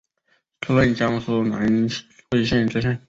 出任江苏南汇县知县。